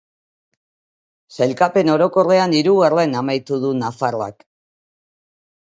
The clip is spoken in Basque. Sailkapen orokorrean hirugarren amaitu du nafarrak.